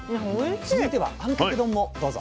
続いてはあんかけ丼もどうぞ。